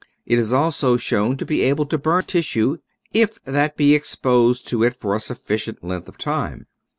It is also shown to be able to burn tissue if that be exposed to it for a sufficient length of time.